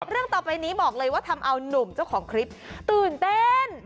ต่อไปนี้บอกเลยว่าทำเอานุ่มเจ้าของคลิปตื่นเต้น